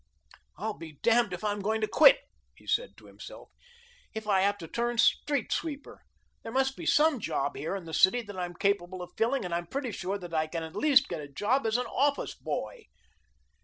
"I'll be damned if I'm going to quit," he said to himself, "if I have to turn street sweeper. There must be some job here in the city that I am capable of filling, and I'm pretty sure that I can at least get a job as office boy."